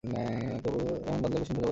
তবু এমন বাদলায় কুসুম বোঝাপড়া করিতে আসিল?